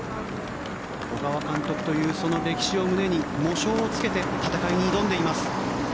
小川監督という歴史を胸に喪章を着けて戦いに挑んでいます。